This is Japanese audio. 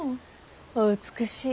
お美しい。